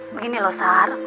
begini loh sar